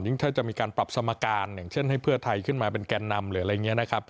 ถ้าจะมีการปรับสมการอย่างเช่นให้เพื่อไทยขึ้นมาเป็นแก่นนำหรืออะไรอย่างนี้นะครับ